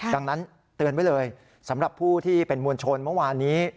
ดังนั้นเตือนไว้เลยสำหรับผู้ที่เป็นมวลชนเมื่อวานนี้